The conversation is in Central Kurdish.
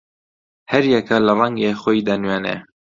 هەر یەکە لە ڕەنگێ خۆی دەنوێنێ